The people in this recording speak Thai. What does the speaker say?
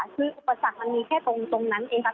ยึดประสะกมันเห็นแค่ตรงนั้นอีกนะ